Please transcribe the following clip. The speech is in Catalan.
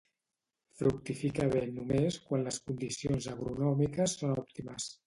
Fructifica bé només quan les condicions agronòmiques són òptimes.